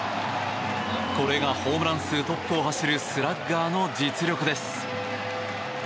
これがホームラン数トップを走るスラッガーの実力です。